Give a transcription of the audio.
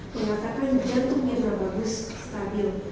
permasakan jatuh mirna bagus stabil